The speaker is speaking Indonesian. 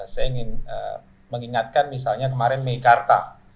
saya ingin mengingatkan misalnya kemarin meikarta